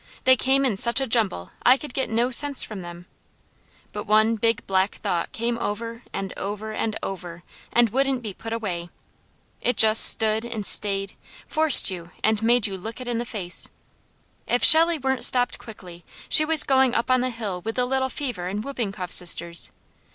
They came in such a jumble I could get no sense from them; but one big black thought came over, and over, and over, and wouldn't be put away. It just stood, stayed, forced you, and made you look it in the face. If Shelley weren't stopped quickly she was going up on the hill with the little fever and whooping cough sisters.